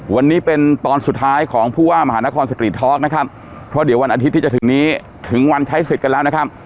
วันนี้เป็นตอนสุดท้ายของผู้ว่ามหานครสตรีทอล์กนะครับเพราะเดี๋ยววันอาทิตย์ที่จะถึงนี้ถึงวันใช้สิทธิ์กันแล้วนะครับ